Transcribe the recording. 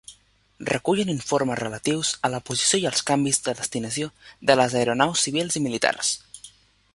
Recullen informes relatius a la posició i els canvis de destinació de les aeronaus civils i militars.